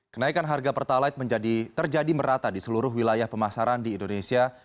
kenaikan harga pertalite terjadi merata di seluruh wilayah pemasaran di indonesia